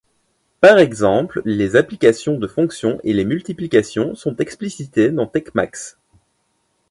Par exemple, les applications de fonction et les multiplications sont explicitées dans TeXmacs.